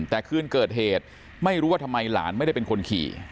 แต่คืนเกิดเหตุไม่รู้ว่าทำไมหลานไม่ได้เป็นคนขี่